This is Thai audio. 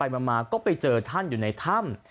แต่ว่าไปมาก็ไปเจอท่านอยู่ในถ้ำ